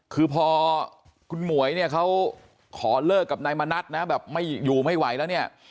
คือพอคุณหมวยเนี่ยเขาขอเลิกกับนายมณัฐนะแบบไม่อยู่ไม่ไหวแล้วเนี่ย